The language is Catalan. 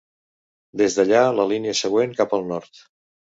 Des d'allà la línia segueix cap al nord.